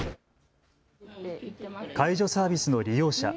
介助サービスの利用者